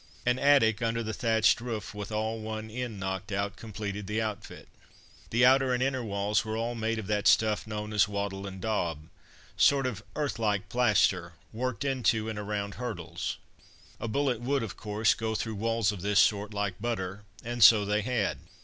An attic under the thatched roof with all one end knocked out completed the outfit. The outer and inner walls were all made of that stuff known as wattle and daub sort of earth like plaster worked into and around hurdles. A bullet would, of course, go through walls of this sort like butter, and so they had.